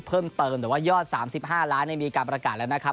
อยากได้รับเงินอัจฉีดเพิ่มเติมแต่ว่ายอดสามสิบห้าล้านบาทในโดยมีการประการแล้วนะครับ